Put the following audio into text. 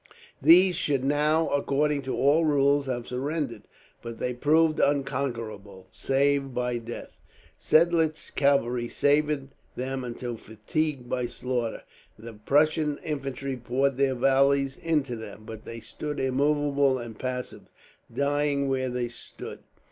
These should now, according to all rules, have surrendered; but they proved unconquerable save by death. Seidlitz's cavalry sabred them until fatigued by slaughter, the Prussian infantry poured their volleys into them, but they stood immovable and passive, dying where they stood.